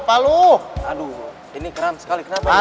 palu aduh ini keren sekali kenapa